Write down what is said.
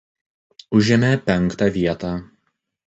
Užėmė penktą vietą.